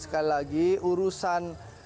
sekali lagi urusan